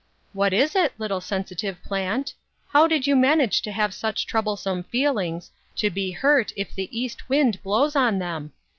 " What is it, little sensitive plant ? How did you manage to have such troublesome feelings, to be hurt if the east wind blows on them